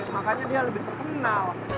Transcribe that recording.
makanya dia lebih terkenal